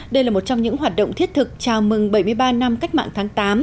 đây là một trong những hoạt động thiết thực chào mừng bảy mươi ba năm cách mạng tháng tám